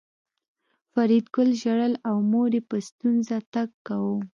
فریدګل ژړل او مور یې په ستونزه تګ کاوه